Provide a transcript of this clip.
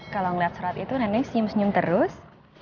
kalau ngeliat serat itu nenek senyum senyum terus